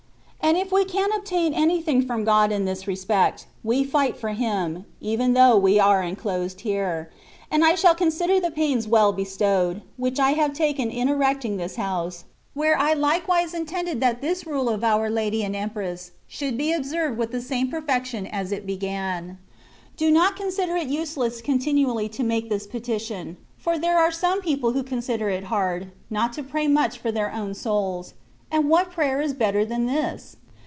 And if we can oMain anything from God in this respect, we fight for Him, even though we are enclosed here: and I fthali consider the pains well bestowed, which I have taken in erecting this house, where I likewise intended that this hile of our Lady and Empress should be observed with the same perfection as it h&fffiu. Do not connder it useless continually to THE WAT OF PERFECTION. 13 make this petition ; for there are some people who consider it hard, not to pray much for their own souls ; and what prayer is better than this